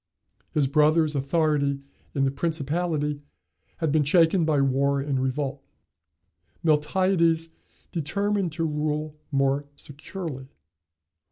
His brother's authority in the principality had been shaken by war and revolt: Miltiades determined to rule more securely.